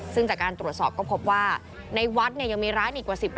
ซึ่งจากการตรวจสอบก็พบว่าในวัดยังมีร้านอีกกว่า๑๐